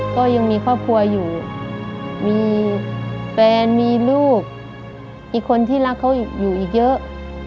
ก็ยังมีครอบครัวอยู่มีแฟนมีลูกอีกคนที่รักเขาอยู่อีกเยอะ